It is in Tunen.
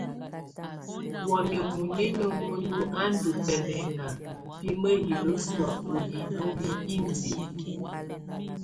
Wamɛ̀á muninƴǝ́ muǝndù á ndù bɛlɛŋà bɛ mǝhilǝ sɔ̀á ù hino hi indili.